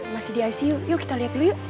masih di icu yuk kita lihat dulu yuk